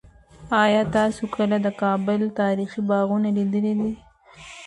آیا تاسو کله د کابل تاریخي باغونه لیدلي دي؟